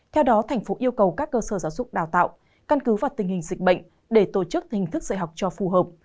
theo đó thành phố yêu cầu các cơ sở giáo dục đào tạo căn cứ vào tình hình dịch bệnh để tổ chức hình thức dạy học cho phù hợp